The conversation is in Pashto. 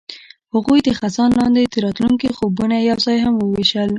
هغوی د خزان لاندې د راتلونکي خوبونه یوځای هم وویشل.